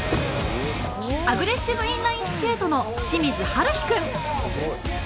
アグレッシブインラインスケートの清水悠陽君。